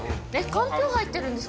かんぴょう入ってます